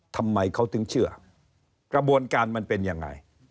ทำไมเขาถึงเชื่อกระบวนการมันเป็นยังไง